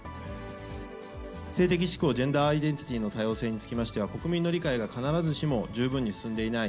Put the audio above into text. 性的指向・ジェンダーアイデンティティの多様性につきましては、国民の理解が、必ずしも十分に進んでいない。